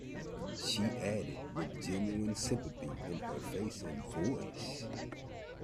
She added, with genuine sympathy in her face and voice.